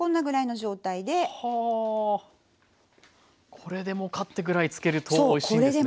これでもかってぐらいつけるとおいしいんですね。